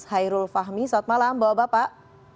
hairul fahmi selamat malam bapak bapak